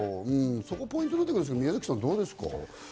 そこポイントになってきますけれども、宮崎さんはどうですか？